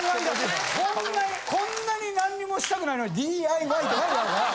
こんなにこんなに何もしたくないのにＤＩＹって書いてあるから。